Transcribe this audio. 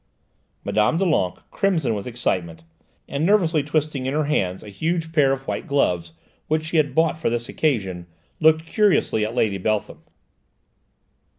Mme. Doulenques, crimson with excitement, and nervously twisting in her hands a huge pair of white gloves which she had bought for this occasion, looked curiously at Lady Beltham.